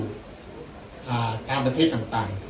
อยู่ตามประเทศต่าง